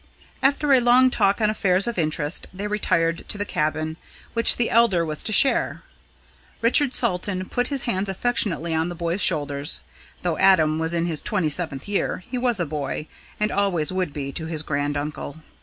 After a long talk on affairs of interest, they retired to the cabin, which the elder was to share. Richard Salton put his hands affectionately on the boy's shoulders though Adam was in his twenty seventh year, he was a boy, and always would be, to his grand uncle.